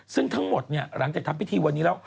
ซึ่งทั้งหมดเนี่ยหลังจากทำพิธีวันนี้ล่ะ